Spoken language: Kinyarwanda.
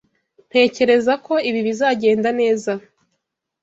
Ntekereza ko ibi bizagenda neza.